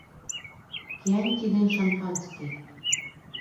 Кьянти ден шампанский.